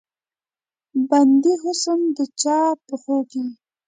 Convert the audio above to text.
بندي حسن د چا پښو کې